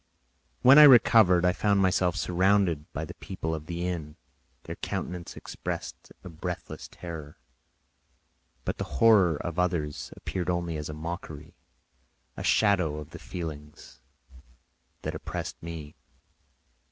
When I recovered I found myself surrounded by the people of the inn; their countenances expressed a breathless terror, but the horror of others appeared only as a mockery, a shadow of the feelings that oppressed me.